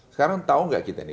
sekarang tahu nggak kita nih